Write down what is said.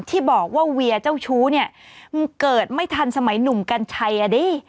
ที่บอกว่าเวียเจ้าชู้เนี่ยมันเกิดไม่ทันสมัยหนุ่มกัญชัยอ่ะดิ